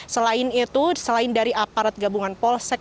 selain itu selain dari aparat gabungan polsek